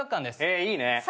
へいいね。